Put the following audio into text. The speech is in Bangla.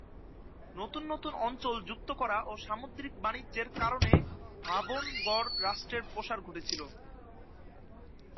নতুন নতুন অঞ্চল যুক্ত করা ও সামুদ্রিক বাণিজ্যের কারণে ভাবনগর রাষ্ট্রের প্রসার ঘটেছিল।